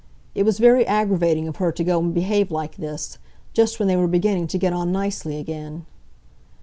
It was very aggravating of her to go and behave like this—just when they were beginning to get on nicely again.